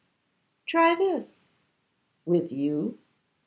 'Try this.' 'With you?